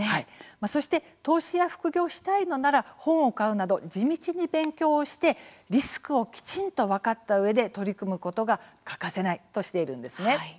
そして投資や副業をしたいのなら本を買うなど地道に勉強をしてリスクをきちんと分かったうえで取り組むことが欠かせないとしているんですね。